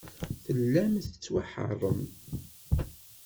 Tellam tettwaḥeṛṛem.